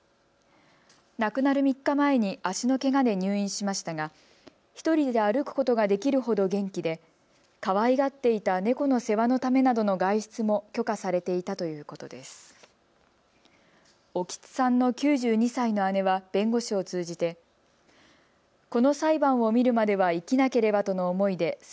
亡くなる３日前に足のけがで入院しましたが１人で歩くことができるほど元気でかわいがっていた猫の世話のためなどの外出も許可されていたということです。